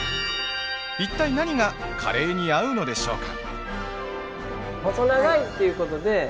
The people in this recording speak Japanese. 一体何がカレーに合うのでしょうか？